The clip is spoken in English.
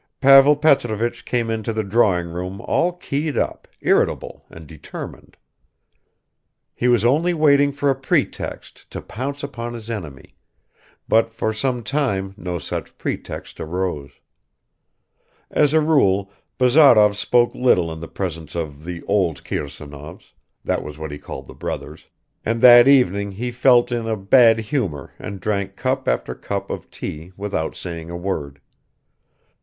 Pavel Petrovich came into the drawing room all keyed up, irritable and determined. He was only waiting for a pretext to pounce upon his enemy, but for some time no such pretext arose. As a rule Bazarov spoke little in the presence of the "old Kirsanovs" (that was what he called the brothers), and that evening he felt in a bad humor and drank cup after cup of tea without saying a word.